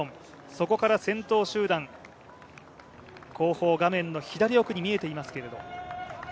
そこから先頭集団、後方、画面左奥に見えています。